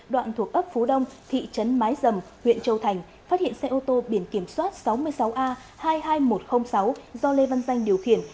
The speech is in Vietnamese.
đoạn thuộc ấp phú đông thị trấn mái dầm huyện châu thành phát hiện xe ô tô biển kiểm soát sáu mươi sáu a hai mươi hai nghìn một trăm linh sáu do lê văn danh điều khiển